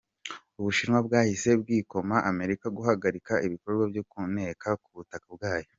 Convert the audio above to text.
U Bushinwa bwahise bwikoma Amerika guhagarika ibikorwa byo kuneka ku butaka bwayo.